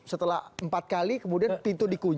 setelah empat kali kemudian pintu dikunci